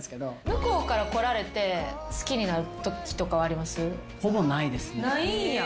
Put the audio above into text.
向こうから来られて好きになるときとかはあります？ないんや。